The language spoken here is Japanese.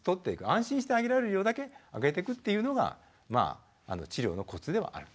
安心してあげられる量だけあげてくっていうのがまあ治療のコツではあるんですね。